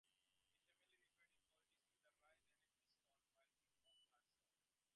The family reappeared in politics with the rise of Ansegisel's son, Pepin of Herstal.